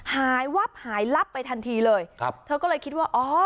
วับหายลับไปทันทีเลยครับเธอก็เลยคิดว่าอ๋อ